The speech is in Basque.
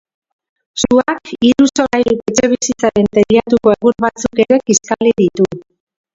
Suak hiru solairuko etxebizitzaren teilatuko egur batzuk ere kiskali ditu.